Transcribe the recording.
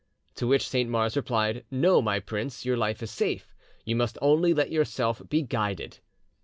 To which Saint Mars replied, 'No, my prince; your life is safe: you must only let yourself be guided.